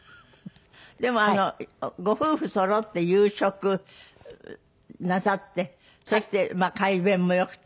でもご夫婦そろって夕食なさってそして快便もよくて。